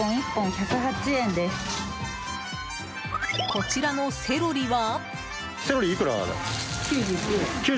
こちらのセロリは？